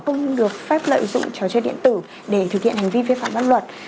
không được phép lợi dụng trò chơi điện tử để thực hiện hành vi vi phạm pháp luật